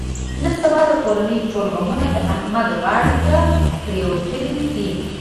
نن سبا د کورنۍ ټول غمونه د احمد غاړې ته پرېوتلي دي.